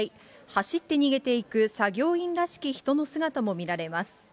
走って逃げていく作業員らしき人の姿も見られます。